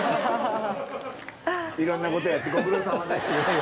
いろんなことやってご苦労さまです。